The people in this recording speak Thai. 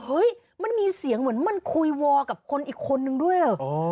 เฮ้ยมันมีเสียงเหมือนมันคุยวอร์กับคนอีกคนนึงด้วย